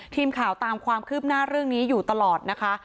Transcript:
ทีมข่าวตามความคืบหน้าเรื่องนี้อยู่ตลอดนะคะ